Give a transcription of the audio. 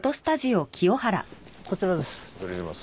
こちらです。